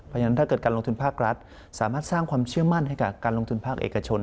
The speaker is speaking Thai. เพราะฉะนั้นถ้าเกิดการลงทุนภาครัฐสามารถสร้างความเชื่อมั่นให้กับการลงทุนภาคเอกชน